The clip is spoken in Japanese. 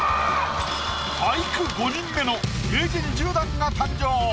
俳句５人目の名人１０段が誕生！